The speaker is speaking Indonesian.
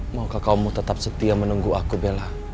maukah kamu tetap setia menunggu aku bella